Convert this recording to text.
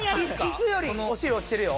イスよりお尻落ちてるよ